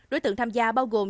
đối tượng tham gia bao gồm